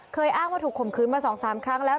อ้างว่าถูกข่มขืนมา๒๓ครั้งแล้ว